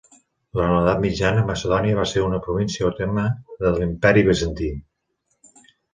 Durant l'edat mitjana, Macedònia va ser una província o tema de l'imperi Bizantí.